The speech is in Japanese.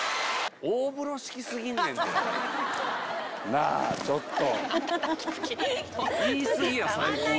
なぁちょっと！